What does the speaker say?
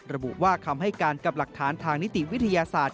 ระบุว่าคำให้การกับหลักฐานทางนิติวิทยาศาสตร์